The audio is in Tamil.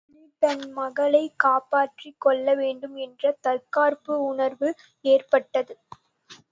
முதலில் தன் மக்களைக் காப்பாற்றிக் கொள்ளவேண்டும் என்ற தற்காப்பு உணர்வு ஏற்பட்டது.